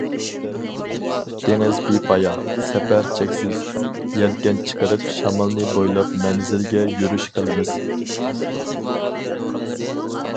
دېڭىز بىپايان، سەپەر چەكسىز، يەلكەن چىقىرىپ، شامالنى بويلاپ مەنزىلگە يۈرۈش قىلىمىز.